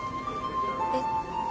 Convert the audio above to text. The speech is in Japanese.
えっ。